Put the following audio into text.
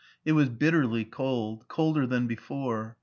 It was bitterly cold, colder than before.